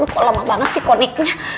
kok lemah banget sih koneknya